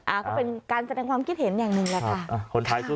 ก็เป็นการแสดงความคิดเห็นอย่างหนึ่งแหละค่ะ